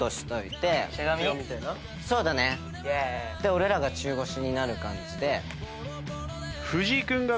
で俺らが中腰になる感じで。